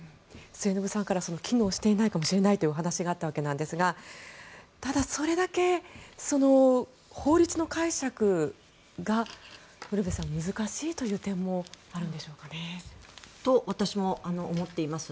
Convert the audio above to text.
末延さんから機能していないかもしれないというお話があったんですがただ、それだけ法律の解釈が難しいという点もあるんでしょうかね。と私も思っています。